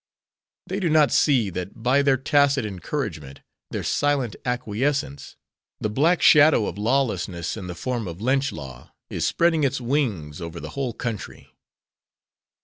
They do not see that by their tacit encouragement, their silent acquiescence, the black shadow of lawlessness in the form of lynch law is spreading its wings over the whole country.